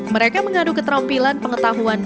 mereka mengadu keterampilan pengetahuan